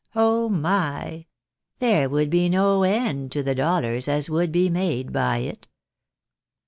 Oh, my ! There would be no end to the dollars as would be made by it."